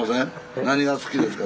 何が好きですか？